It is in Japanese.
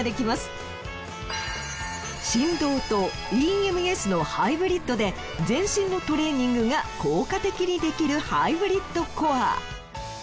振動とＥＭＳのハイブリッドで全身のトレーニングが効果的にできる。